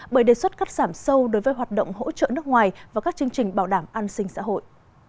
bởi đề xuất cắt giảm sâu đối với hoạt động hỗ trợ nước ngoài và các chương trình bảo đảm an sinh xã hội